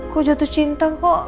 kok jatuh cinta kok